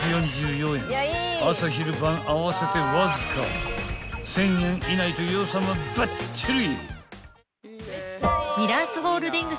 ［朝昼晩合わせてわずか１，０００円以内と予算はばっちり］